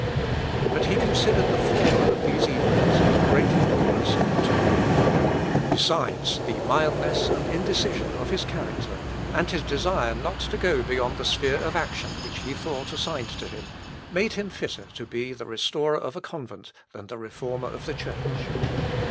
But he considered the former of these evils as greatly the worse of the two. Besides, the mildness and indecision of his character, and his desire not to go beyond the sphere of action which he thought assigned to him, made him fitter to be the restorer of a convent than the Reformer of the Church.